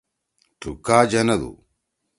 تُو کا جنَدُو؟